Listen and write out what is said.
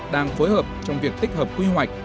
đang phối hợp trong việc tích hợp quy hoạch